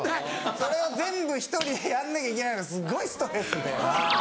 それを全部１人でやんなきゃいけないのがすごいストレスで。